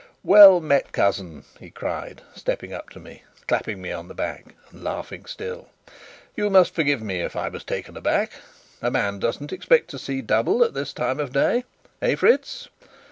"Well met, cousin!" he cried, stepping up to me, clapping me on the back, and laughing still. "You must forgive me if I was taken aback. A man doesn't expect to see double at this time of day, eh, Fritz?"